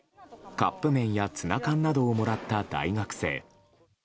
カップ麺やツナ缶などをもらった大学生。